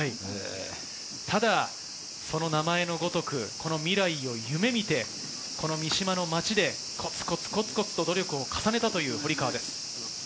ただ、その名前のごとく、未来を夢見て三島の町でコツコツ、コツコツと努力を重ねたという堀川です。